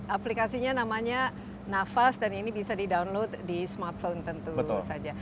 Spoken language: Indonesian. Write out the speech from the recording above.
aplikasinya namanya nafas dan ini bisa di download di smartphone tentu saja